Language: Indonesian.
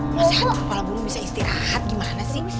eh ya masih hantu kepala burung bisa istirahat gimana sih